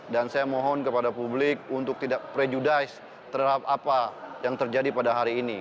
dan saya mohon kepada publik untuk tidak prejudis terhadap apa yang terjadi pada hari ini